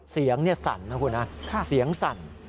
เสียงสั่นนะคุณนะเสียงสั่น